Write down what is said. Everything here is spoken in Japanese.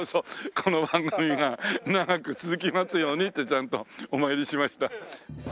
この番組が長く続きますようにってちゃんとお参りしました。